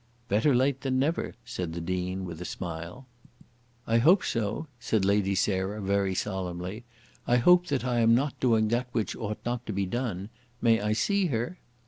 "Better late than never," said the Dean, with a smile. "I hope so," said Lady Sarah, very solemnly. "I hope that I am not doing that which ought not to be done. May I see her?"